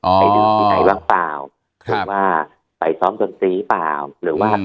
อ๋อโอ้บ้างป้าวครับหรือว่าไปซ้อมทนฤนศรีเปล่าหรือว่า